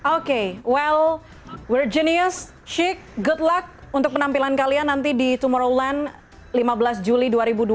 oke well world genius shick good luck untuk penampilan kalian nanti di tomorrowland lima belas juli dua ribu dua puluh